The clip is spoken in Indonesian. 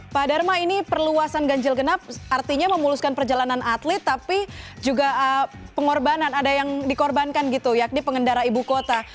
pak dharma ini perluasan ganjil genap artinya memuluskan perjalanan atlet tapi juga pengorbanan ada yang dikorbankan gitu yakni pengendara ibu kota